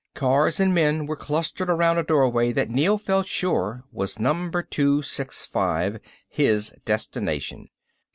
Cars and men were clustered around a doorway that Neel felt sure was number 265, his destination.